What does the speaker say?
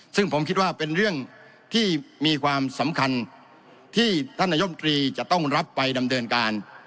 ซึ่งผมคิดว่าเป็นเรื่องที่มีความสำคัญที่ท่านนายมตรีจะต้องรับไปดำเนินการ